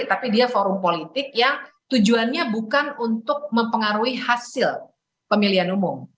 tapi dia forum politik yang tujuannya bukan untuk mempengaruhi hasil pemilihan umum